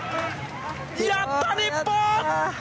やった、日本！